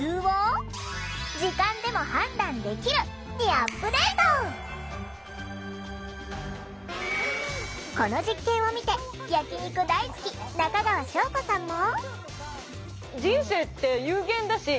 焼き肉のこの実験を見て焼き肉大好き中川翔子さんも。